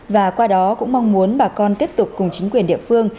và qua đó cũng mong muốn bà con tiếp tục cùng chính quyền địa phương